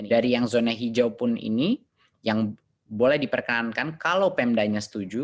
dari yang zona hijau pun ini yang boleh diperkenankan kalau pemdanya setuju